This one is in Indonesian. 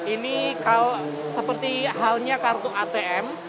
ini seperti halnya kartu atm